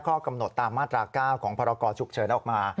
ข้อกำหนดตามมาตรา๙ของพรกรฉุกเฉินออกมา